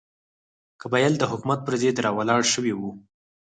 قبایل د حکومت پر ضد راولاړ شوي وو.